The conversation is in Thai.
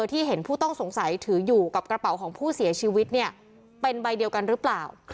ที่เห็นผู้ต้องสงสัยถืออยู่กับกระเป๋าของผู้เสียชีวิตเนี่ยเป็นใบเดียวกันหรือเปล่า